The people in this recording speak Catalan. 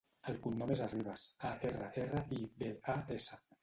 El cognom és Arribas: a, erra, erra, i, be, a, essa.